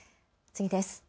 次です。